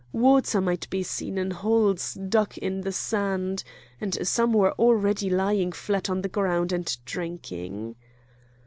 Water might be seen in holes dug in the sand, and some were already lying flat on the ground and drinking.